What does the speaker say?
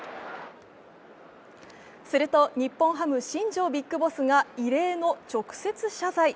すると日本ハム、新庄ＢＩＧＢＯＳＳが異例の直接謝罪。